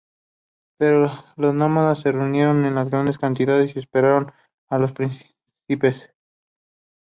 Pero los nómadas se reunieron en grandes cantidades y esperaron a los príncipes.